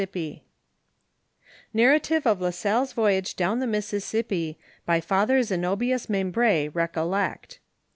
1 v:m m NARRATIVE OF LA SALLE'S VOYAGE DOWN THE MISSISSIPPI, ■■ BY FATHER ZENOBITJS MEMBRi, RECOLLECT.